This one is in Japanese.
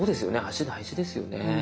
足大事ですよね。